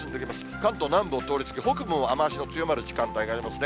関東南部を通り過ぎ、北部も雨足が強まる時間帯がありますね。